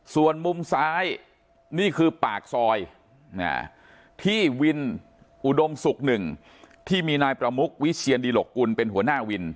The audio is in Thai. ส่วนมุมซ้ายนี่คือปากซอยที่วินอุดมศุกร์หนึ่งที่มีนายประมุกวิเชียนดิหลกกุลเป็นหัวหน้าวิน